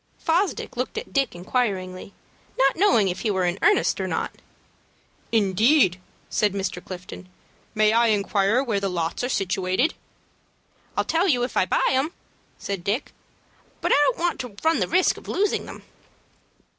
Fosdick looked at Dick, inquiringly, not knowing if he were in earnest or not. "Indeed!" said Mr. Clifton. "May I inquire where the lots are situated?" "I'll tell you if I buy them," said Dick; "but I don't want to run the risk of losing them."